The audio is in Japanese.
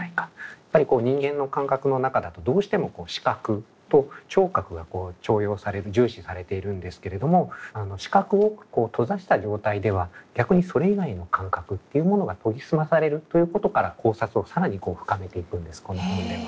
やっぱり人間の感覚の中だとどうしても視覚と聴覚が重用される重視されているんですけれども視覚を閉ざした状態では逆にそれ以外の感覚っていうものが研ぎ澄まされるということから考察を更に深めていくんですこの本では。